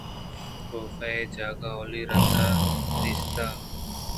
کاف ءَ اے جاگہ اولی رندا دیست اَت